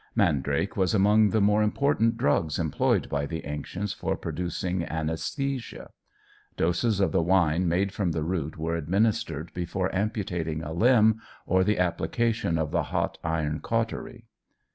Mandrake was among the more important drugs employed by the ancients for producing anæsthesia. Doses of the wine made from the root were administered before amputating a limb or the application of the hot iron cautery.